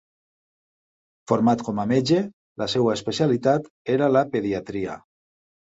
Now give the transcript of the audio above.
Format com a metge, la seva especialitat era la pediatria.